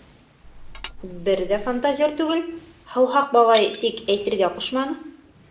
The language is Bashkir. Бер ҙә фантазер түгел! һыуһаҡ бабай тик әйтергә ҡушманы!